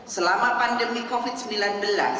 selama pandemi covid sembilan belas